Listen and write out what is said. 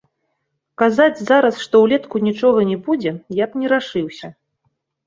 Казаць зараз, што ўлетку нічога не будзе, я б не рашыўся.